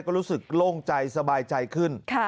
ก็รู้สึกโล่งใจสบายใจขึ้น